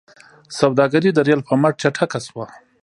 سوداګري د ریل په مټ چټکه شوه.